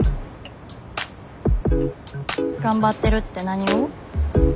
頑張ってるって何を？